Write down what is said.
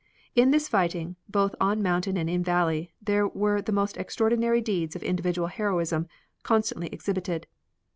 In this fighting, both on mountain and in valley, there were the most extraordinary deeds of individual heroism, constantly exhibited.